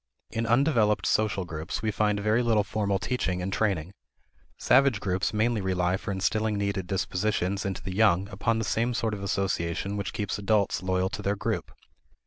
In undeveloped social groups, we find very little formal teaching and training. Savage groups mainly rely for instilling needed dispositions into the young upon the same sort of association which keeps adults loyal to their group.